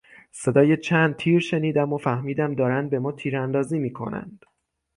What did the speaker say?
صدای چند تیر شنیدم و فهمیدم دارند به ما تیراندازی میکنند.